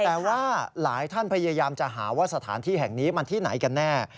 แต่ว่าหลายท่านพยายามจะหาว่าสถานที่แห่งนี้มันที่ไหนกันแน่